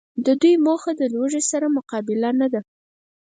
د دوی موخه د لوږي سره مقابله نده